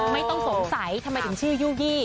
ไม่ต้องสงสัยทำไมถึงชื่อยู่ยี่